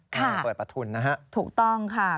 ค่ะถูกต้องค่ะ